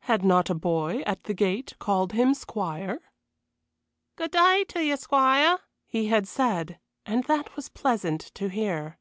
Had not a boy at the gate called him squire? "Good day to 'e, squire," he had said, and that was pleasant to hear.